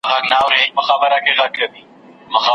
زړه دي مه راکوه ماته زه پر هر ښکلي مین یم